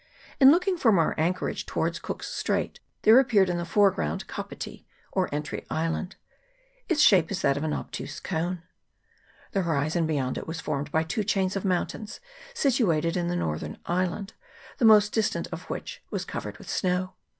In looking from our anchorage towards Cook's Straits, there appeared in the fore ground Kapiti, or Entry Island : its shape is that of an obtuse cone. The horizon beyond it was formed by two chains of mountains, situated in the CHAP. II.] QUEEN CHARLOTTE'S SOUND. 25 northern island, the most distant of which was covered with snow.